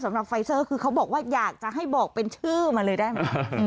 สำหรับไฟเซอร์คือเขาบอกว่าอยากจะให้บอกเป็นชื่อมาเลยได้ไหม